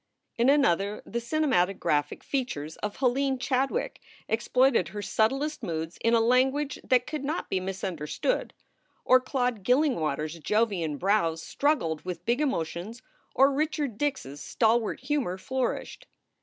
In another, the cinematographic features of Helene Chad wick exploited her subtlest moods in a language that could not be misunderstood; or Claude Gillingwater s Jovian brows struggled with big emotions or Richard Dix s stalwart humor flourished.